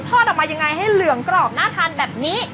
ทอดออกมายังไงให้เหลืองกรอบน่าทานแบบนี้